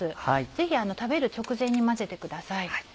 ぜひ食べる直前に混ぜてください。